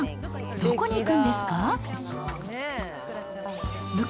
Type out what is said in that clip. どこに行くんですか？